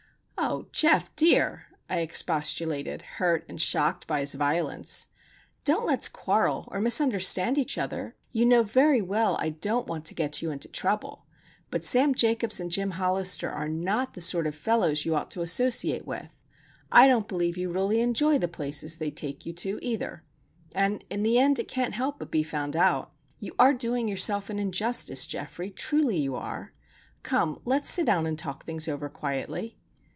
"Oh, Geof dear!" I expostulated, hurt and shocked by his violence. "Don't let's quarrel, or misunderstand each other. You know very well I don't want to get you into trouble. But Sam Jacobs and Jim Hollister are not the sort of fellows you ought to associate with. I don't believe you really enjoy the places they take you to, either,—and in the end it can't help but be found out. You are doing yourself an injustice, Geoffrey,—truly you are! Come, let's sit down and talk things over quietly."